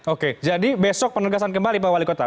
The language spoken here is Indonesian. oke jadi besok penegasan kembali pak wali kota